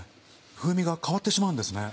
風味が変わってしまうんですね。